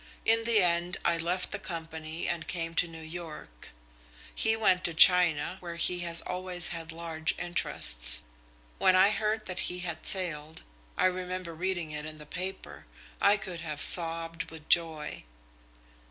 In the end I left the company and came to New York. He went to China, where he has always had large interests. When I heard that he had sailed I remember reading it in the paper I could have sobbed with joy."